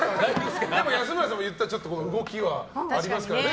でも安村さんもいったら動きはありますからね。